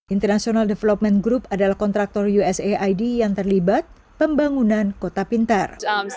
international development group adalah kontraktor usaid yang terlibat pembangunan kota pintar